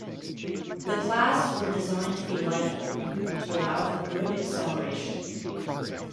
The class were designed to be lightweight to allow for good acceleration.